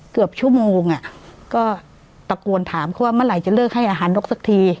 เกือบชั่วโมงอ่ะก็ตะโกนถามเขาว่าเมื่อไหร่จะเลิกให้อาหารนกสักที